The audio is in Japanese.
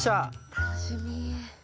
楽しみ。